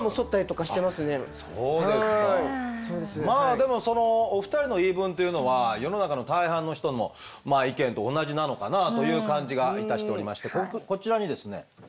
まあでもそのお二人の言い分というのは世の中の大半の人の意見と同じなのかなという感じがいたしておりましてこちらにですね